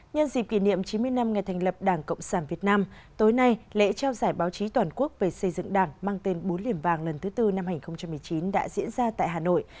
nhân dịp kỷ niệm chín mươi năm ngày thành lập đảng cộng sản việt nam tối nay lễ trao giải báo chí toàn quốc về xây dựng đảng mang tên bú liềm vàng lần thứ tư năm hai nghìn một mươi chín đã diễn ra tại hà nội